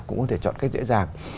cũng có thể chọn cách dễ dàng